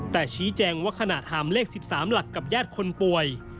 แต่ชี้แจงว่าขณะถามเลข๑๓หลักกับญาติคนป่วย